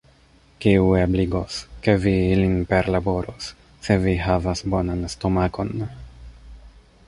Kiu ebligos, ke vi ilin perlaboros, se vi havas bonan stomakon.